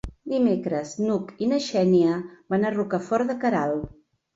Dimecres n'Hug i na Xènia van a Rocafort de Queralt.